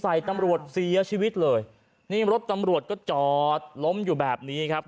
ใส่ตำรวจเสียชีวิตเลยนี่รถตำรวจก็จอดล้มอยู่แบบนี้ครับ